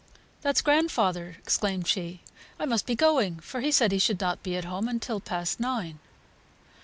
"That's grandfather!" exclaimed she. "I must be going, for he said he should not be at home till past nine."